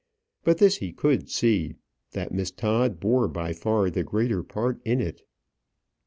But this he could see, that Miss Todd bore by far the greater part in it.